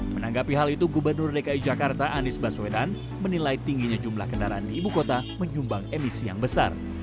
menanggapi hal itu gubernur dki jakarta anies baswedan menilai tingginya jumlah kendaraan di ibu kota menyumbang emisi yang besar